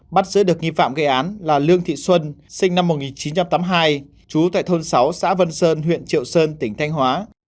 bắt giữ được nghi phạm gây án là lương thị xuân sinh năm một nghìn chín trăm tám mươi hai trú tại thôn sáu xã vân sơn huyện triệu sơn tỉnh thanh hóa